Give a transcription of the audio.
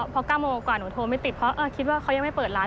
เพราะ๙โมงกว่าหนูโทรไม่ติดเพราะคิดว่าเขายังไม่เปิดร้าน